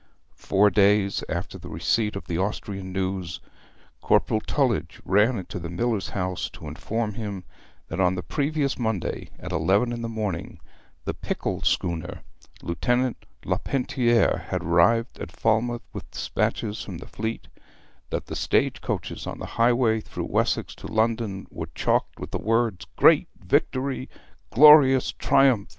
Four days after the receipt of the Austrian news Corporal Tullidge ran into the miller's house to inform him that on the previous Monday, at eleven in the morning, the Pickle schooner, Lieutenant Lapenotiere, had arrived at Falmouth with despatches from the fleet; that the stage coaches on the highway through Wessex to London were chalked with the words 'Great Victory!' 'Glorious Triumph!'